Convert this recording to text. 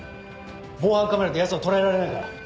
防犯カメラでヤツを捉えられないか？